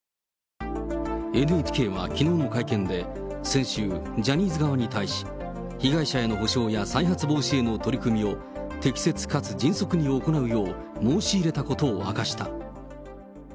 ＮＨＫはきのうの会見で、先週、ジャニーズ側に対し、被害者への補償や再発防止への取り組みを、適切かつ迅速に行うよう申し入れたことを明かした。